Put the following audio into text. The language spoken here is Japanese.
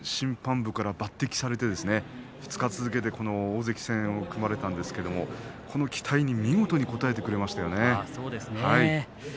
すばらしかったのは審判部から抜てきされて２日続けて大関戦が組まれたんですけれど期待に見事に応えてくれましたね。